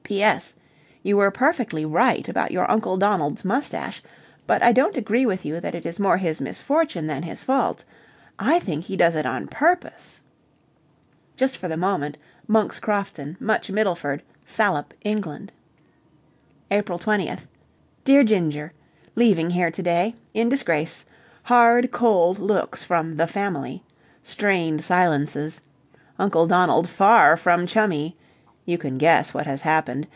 P.S. You were perfectly right about your Uncle Donald's moustache, but I don't agree with you that it is more his misfortune than his fault. I think he does it on purpose. (Just for the moment) Monk's Crofton, Much Middleford, Salop, England. April 20th. Dear Ginger, Leaving here to day. In disgrace. Hard, cold looks from the family. Strained silences. Uncle Donald far from chummy. You can guess what has happened.